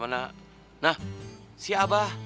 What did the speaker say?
nah si abah